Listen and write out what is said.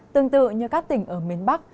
tương tự như các tỉnh ở miền bắc